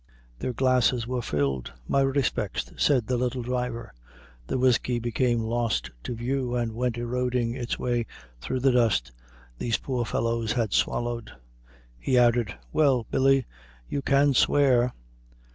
Their glasses were filled. "My respects," said the little driver. The whiskey became lost to view, and went eroding its way through the dust these poor fellows had swallowed. He added, "Well, Billy, you can swear."